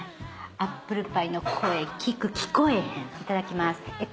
アップルパイの声聞く聞こえへんいただきます。